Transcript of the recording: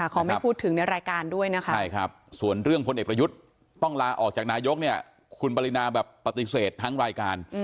ขอไม่พูดถึงในรายการด้วยนะคะใช่ครับส่วนเรื่องพลเอกประยุทธ์ต้องลาออกจากนายกเนี่ยคุณปรินาแบบปฏิเสธทั้งรายการ